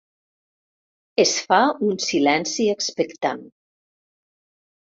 Es fa un silenci expectant.